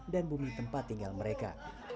dan bumi tempat tinggal mereka